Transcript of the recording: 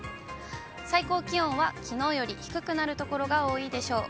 最高気温はきのうより低くなる所が多いでしょう。